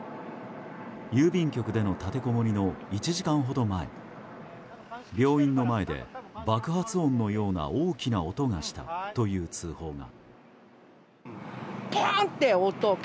郵便局での立てこもりの１時間ほど前病院の前で爆発音のような大きな音がしたという通報が。